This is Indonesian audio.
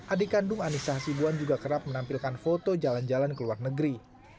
adik kandung anissa hasibuan juga kerap menampilkan foto jalan jalan ke luar negeri